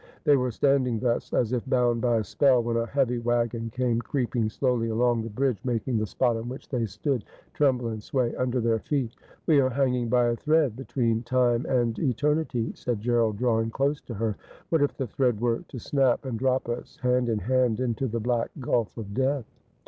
They were standing thus, as if bound by a spell, when a heavy waggon came creeping slowly along the bridge, making ^Forbid a Love and it is ten Times so wode! 293 the spot on which they stood tremble and sway under their feet. ' We are hanging by a thread between time and eternity,' said Gerald, drawing closer to her. ' What if the thread were to snap, and drop us, hand in hand, into the black gulf of death